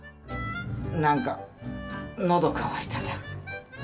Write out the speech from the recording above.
なんか、のど乾いたな。